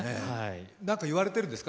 何か言われているんですか？